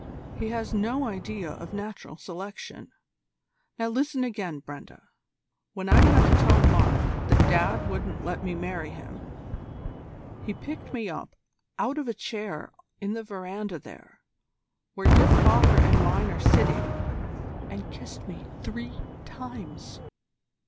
He has no idea of Natural Selection. Now listen again, Brenda.. When I had to tell Mark that Dad wouldn't let me marry him, he picked me up out of a chair in the verandah there, where your father and mine are sitting, and kissed me three times."